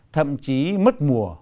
thậm chí mất mùa